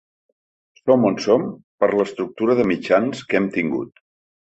Som on som per l’estructura de mitjans que hem tingut.